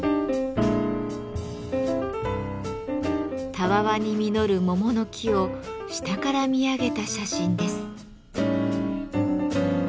たわわに実る桃の木を下から見上げた写真です。